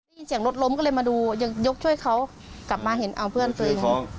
เสียงรถล้มก็เลยมาดูยกช่วยเขากลับมาเห็นเพื่อนเนี่ย